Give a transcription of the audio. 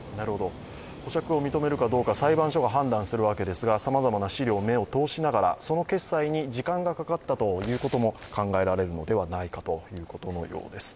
保釈を認めるかどうか、裁判所が判断するわけですが、さまざまな資料に目を通しながらその決裁に時間がかかったということも、考えられるのではないかということのようです。